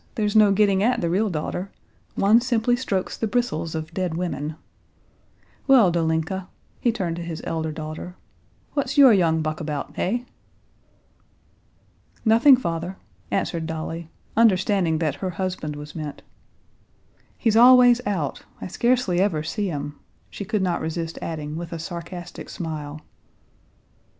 There's no getting at the real daughter. One simply strokes the bristles of dead women. Well, Dolinka," he turned to his elder daughter, "what's your young buck about, hey?" "Nothing, father," answered Dolly, understanding that her husband was meant. "He's always out; I scarcely ever see him," she could not resist adding with a sarcastic smile.